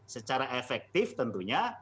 secara efektif tentunya